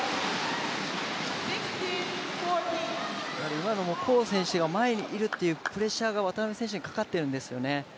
今のも黄選手が前にいるというプレッシャーが渡辺選手にかかってるんですよね。